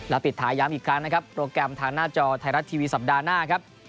ปิดท้ายย้ำอีกครั้งนะครับโปรแกรมทางหน้าจอไทยรัฐทีวีสัปดาห์หน้าครับ